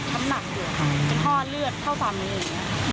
ช้ำหนักห่วงครับออกมาพอเลือดพี่เข้าฝั่งอีก